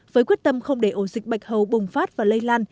với quyết tâm không để ổ dịch bạch hầu bùng phát và lây lan